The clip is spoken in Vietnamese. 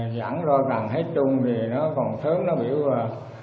dẫn ra càng hết chung thì nó còn sớm nó biểu là